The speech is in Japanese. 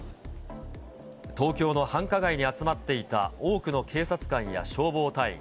東京の繁華街に集まっていた多くの警察官や消防隊員。